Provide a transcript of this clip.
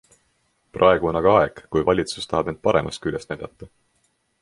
Praegu on aga aeg, kui valitsus tahab end paremast küljest näidata.